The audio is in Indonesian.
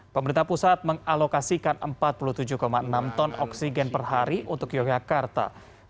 pemerintah pusat mengalokasikan empat puluh tujuh enam ton oksigen per hari untuk yogyakarta